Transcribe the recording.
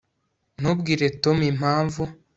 ntubwire tom impamvu